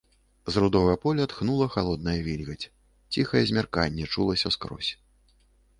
З рудога поля тхнула халодная вільгаць, ціхае змярканне чулася скрозь.